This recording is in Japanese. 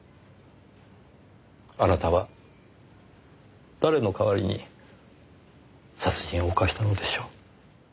あなたは誰の代わりに殺人を犯したのでしょう？